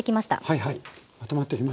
はいはいまとまってきましたね。